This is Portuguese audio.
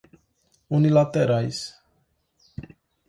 unilaterais